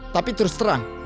tapi terus terang